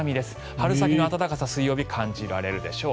春先の暖かさを水曜日、感じられるでしょう。